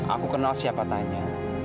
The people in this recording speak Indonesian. aku kenal siapa tanya